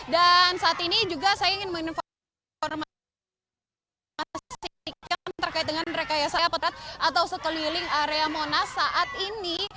dan saat ini juga saya ingin menunjukkan informasi terkait dengan rekayasa prt atau sekeliling area monas saat ini